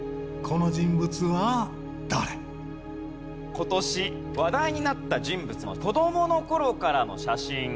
今年話題になった人物の子供の頃からの写真。